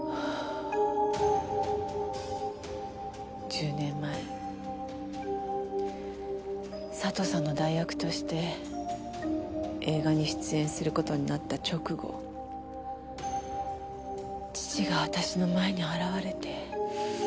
１０年前佐藤さんの代役として映画に出演する事になった直後父が私の前に現れて。